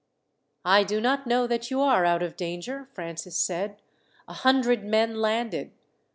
"I do not know that you are out of danger," Francis said. "A hundred men landed.